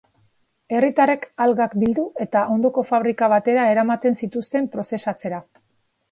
Herritarrek algak bildu eta ondoko fabrika batera eramaten zituzten prozesatzera.